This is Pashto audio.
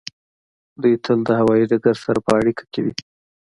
دوی تل د هوایی ډګر سره په اړیکه کې وي